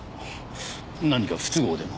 何か不都合でも？